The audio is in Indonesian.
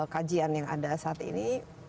kajian yang ada saat ini